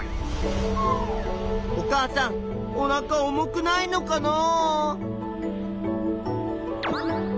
お母さんおなか重くないのかなあ。